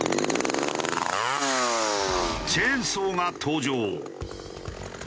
チェーンソーが登場。